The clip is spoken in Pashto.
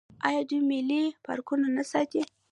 آیا دوی ملي پارکونه نه ساتي؟